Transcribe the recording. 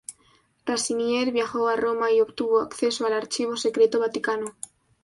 Rassinier viajó a Roma y obtuvo acceso al Archivo Secreto Vaticano.